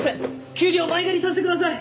給料前借りさせてください！